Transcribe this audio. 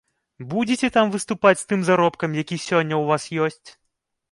Будзеце там выступаць з тым заробкам, які сёння ў вас ёсць?